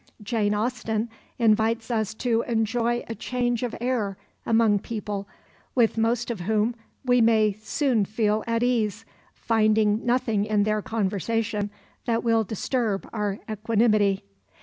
Jane Austen invites us to enjoy a change of air among people with most of whom we may soon feel at ease, finding nothing in their conversation that will disturb our equanimity.